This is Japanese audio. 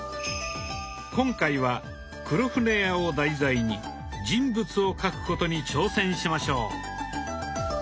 今回は「黒船屋」を題材に人物を描くことに挑戦しましょう。